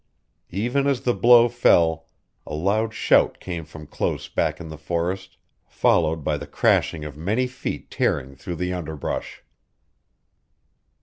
Even as the blow fell, a loud shout came from close back in the forest, followed by the crashing of many feet tearing through the underbrush.